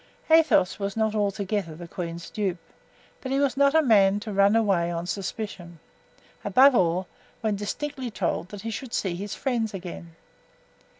Athos was not altogether the queen's dupe, but he was not a man to run away on suspicion—above all, when distinctly told that he should see his friends again.